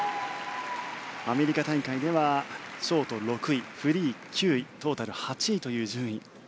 アメリカ大会ではショート６位フリー９位トータル８位という順位。